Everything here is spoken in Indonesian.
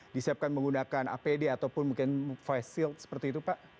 disiapkan menggunakan apd ataupun mungkin face shield seperti itu pak